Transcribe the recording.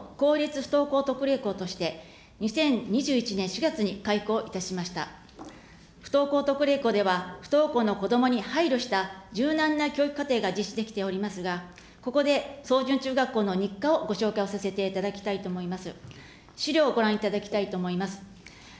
不登校特例校では、不登校のこどもに配慮した柔軟な教育課程が実施できておりますが、ここで草潤中学校の日課をご紹介をさせていただきたいと思います。